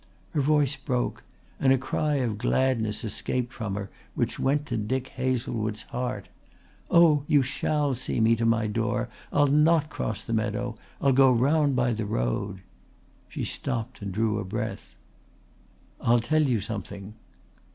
Her voice broke and a cry of gladness escaped from her which went to Dick Hazlewood's heart. "Oh, you shall see me to my door. I'll not cross the meadow. I'll go round by the road." She stopped and drew a breath. "I'll tell you something."